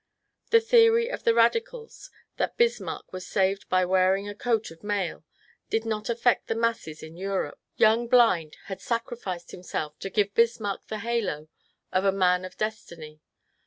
The theory of the radicals, that Bismarck was saved by wearing a coat of mail, did not affect the masses in Europe ; young Blind had sacrificed himself to give Bismarck the halo of a Man of Des tiny.